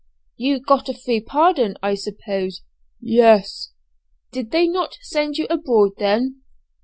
"You got a free pardon, I suppose?" "Yes." "Did they not send you abroad, then?"